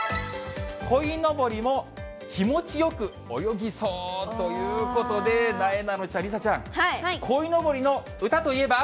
こいのぼりも気持ちよく泳ぎそうということで、なえなのちゃん、梨紗ちゃん、こいのぼりの歌といえば？